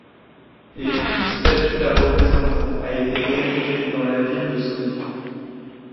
Et une statue la représentant a été érigée dans la ville de son vivant.